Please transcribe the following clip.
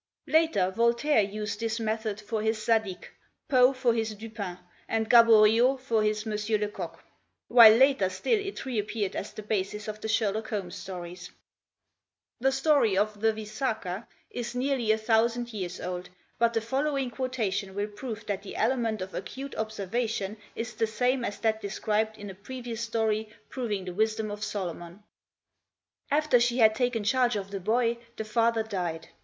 Later Voltaire used this method for his "Zadig/' Poe for his "Dupin," and Gaboriau for his "M. Lecoq;" while later still it reappeared as the basis of the "Sherlock Holmes" stories. The story of "The Visakha" is nearly a thousand years old, 24 THE TECHNIQUE OF THE MYSTERY STORY but the following quotation will prove that the element of acute observation is the same as that described in a previous story proving the wisdom of Solomon. After she had taken charge of the boy the father died.